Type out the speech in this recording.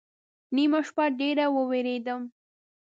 نیمه شپه ډېر ووېرېدم